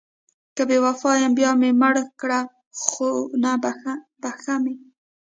که بې وفا یم بیا مې مړه کړه خون بښمه...